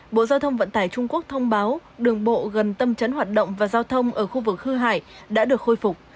bộ giao thông vận tải trung quốc thông báo đường bộ gần tâm chấn hoạt động và giao thông ở khu vực hư hải đã được khôi phục